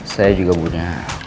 saya juga punya